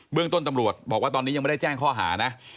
เรื่องต้นตำรวจบอกว่าตอนนี้ยังไม่ได้แจ้งข้อหานะ